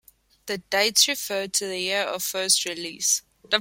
The dates refer to the year of first release.